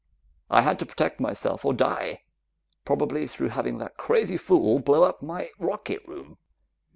I had to protect myself or die probably through having that crazy fool blow up my rocket room."